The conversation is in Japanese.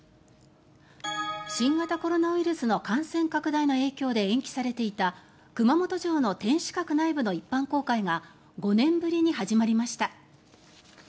新型コロナウイルスの感染拡大の影響で延期されていた熊本城の天守閣内部の一般公開が５年ぶりに始まりました。